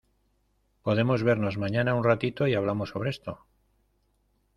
¿podemos vernos mañana un ratito y hablamos sobre esto?